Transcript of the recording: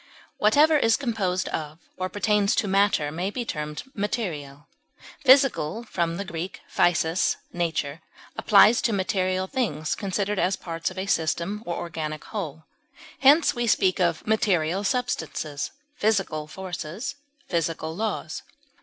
Whatever is composed of or pertains to matter may be termed material; physical (Gr. physis, nature) applies to material things considered as parts of a system or organic whole; hence, we speak of material substances, physical forces, physical laws.